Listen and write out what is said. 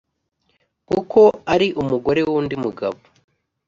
Kuko ari umugore w’ undi mugabo